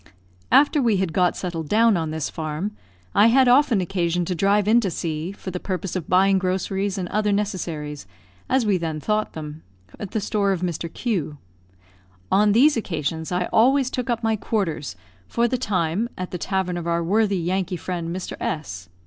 After we had got settled down on this farm, I had often occasion to drive into C , for the purpose of buying groceries and other necessaries, as we then thought them, at the store of Mr. Q . On these occasions I always took up my quarters, for the time, at the tavern of our worthy Yankee friend, Mr. S